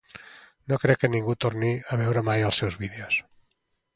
No crec que ningú torni a veure mai els seus vídeos.